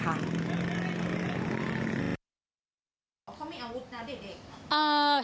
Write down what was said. เขามีอาวุธนะเด็ก